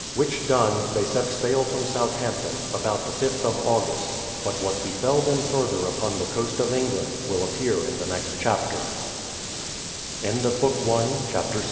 Which done, they set sail from Southampton, about the 5th of August ; but what befell them further upon the coast of England will appear in the next chapter.